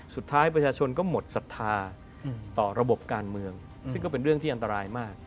สุดท้ายประชาชนก็หมดศรัทธาต่อระบบการเมืองซึ่งก็เป็นเรื่องที่อันตรายมาก